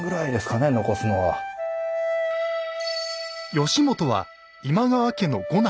義元は今川家の五男。